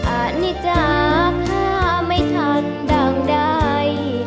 อันนี้จ้าข้าไม่ทันดั่งใด